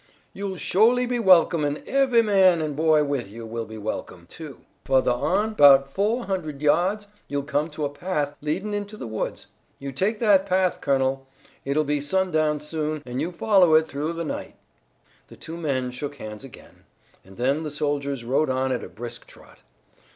"You'll sho'ly be welcome an' ev'y man an' boy with you will be welcome, too. Fuhthah on, 'bout foah hund'ed yahds, you'll come to a path leadin' into the woods. You take that path, colonel. It'll be sundown soon, an' you follow it th'ough the night." The two men shook hands again, and then the soldiers rode on at a brisk trot.